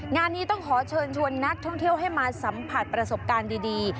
งานนี้ต้องขอเชิญชวนนักท่องเที่ยวให้มาสัมผัสประสบการณ์ดี